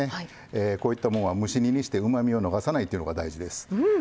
こういったものは蒸し煮にしてうまみを逃さないというのが大事です。